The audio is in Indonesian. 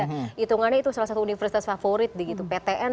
hitungannya itu salah satu universitas favorit di gitu ptn